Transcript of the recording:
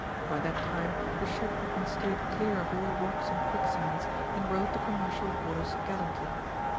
By that time the ship had been steered clear of all rocks and quicksands, and rode the commercial waters gallantly.